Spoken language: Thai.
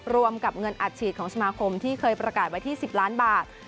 สวัสดีครับ